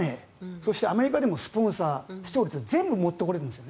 そしてアメリカでもスポンサー、視聴率を全部持ってこられるんです。